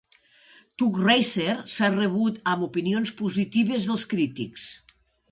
"Tux Racer" s'ha rebut amb opinions positives dels crítics.